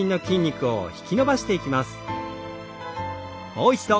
もう一度。